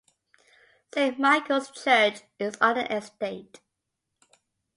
Saint Michael's Church is on the estate.